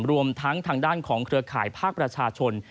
รวมทั้งทางด้านของเครือข่ายภาคประชาชน